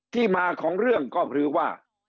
ที่มาของเรื่องก็คือว่า